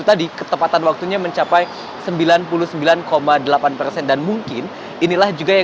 kita bisa melihat